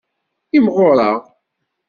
Imɣureɣ.